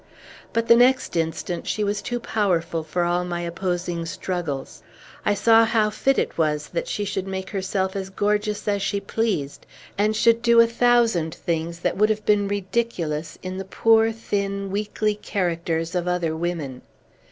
But, the next instant, she was too powerful for all my opposing struggles. I saw how fit it was that she should make herself as gorgeous as she pleased, and should do a thousand things that would have been ridiculous in the poor, thin, weakly characters of other women.